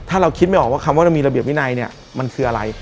ถ้าเราคิดไม่ออกว่าคำว่าเรามีระเบียบวินัยเนี่ยมันคืออะไร